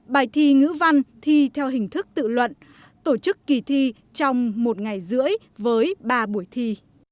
bài thi ngữ văn thi theo hình thức tự luận tổ chức kỳ thi trong một ngày rưỡi với ba buổi thi